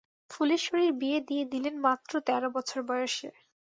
ফুলেশ্বরীর বিয়ে দিয়ে দিলেন মাত্র তের বছর বয়সে।